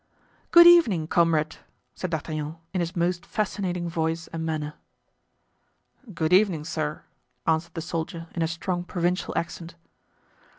"Good evening, comrade," said D'Artagnan in his most fascinating voice and manner. "Good evening, sir," answered the soldier, in a strong provincial accent.